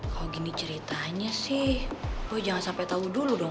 kalau gini ceritanya sih gue jangan sampai tahu dulu dong